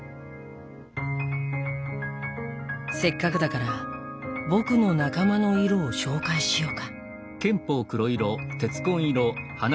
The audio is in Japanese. せっかくだから僕の仲間の色を紹介しようか。